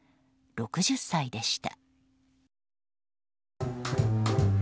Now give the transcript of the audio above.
６０歳でした。